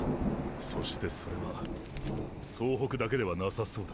そしてそれは総北だけではなさそうだ。